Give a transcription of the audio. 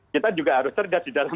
kita juga harus tergaduh di dalamnya